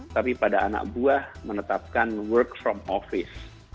tapi pada anak buah menetapkan work from office